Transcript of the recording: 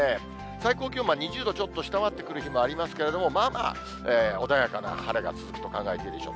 最高気温は２０度ちょっと下回ってくる日もありますけれども、まあまあ穏やかな晴れが続くと考えていいでしょう。